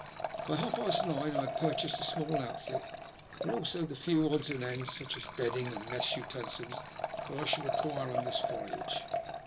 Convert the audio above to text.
By half past nine I had purchased a small outfit, and also the few odds and ends — such as bedding and mess utensils — that I should require on the voyage.